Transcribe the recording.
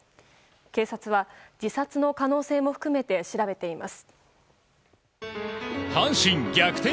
警察は自殺の可能性も含めて調べています。